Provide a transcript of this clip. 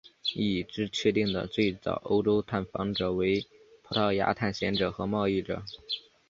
已知确定的最早欧洲探访者为葡萄牙探险者和贸易者。